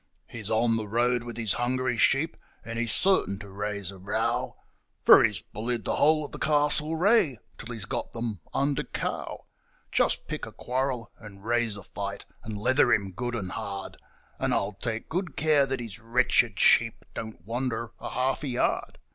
He's on the road with his hungry sheep, and he's certain to raise a row, For he's bullied the whole of the Castlereagh till he's got them under cow Just pick a quarrel and raise a fight, and leather him good and hard, And I'll take good care that his wretched sheep don't wander a half a yard.